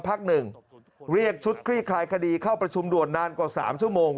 พักหนึ่งเรียกชุดคลี่คลายคดีเข้าประชุมด่วนนานกว่า๓ชั่วโมง